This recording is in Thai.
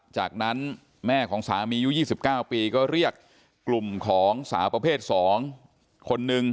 จากนั้นแม่ของสามีอยู่ยี่สิบเก้าปีก็เรียกกลุ่มของสาวประเภทสองคนหนึ่ง